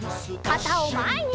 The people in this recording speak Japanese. かたをまえに！